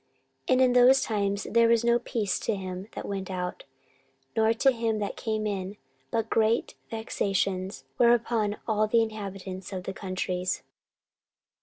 14:015:005 And in those times there was no peace to him that went out, nor to him that came in, but great vexations were upon all the inhabitants of the countries.